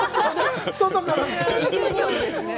外からね。